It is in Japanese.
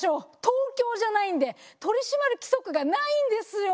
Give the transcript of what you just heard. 東京じゃないんで取り締まる規則がないんですよ。